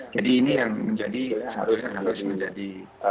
jadi ini yang menjadi seluruhnya harus menjadi